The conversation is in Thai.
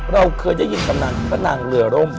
เราเคยยินตำนานตำนานเหลือลม